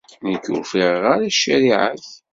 Nekk, ur ffiɣeɣ ara i ccariɛa-k.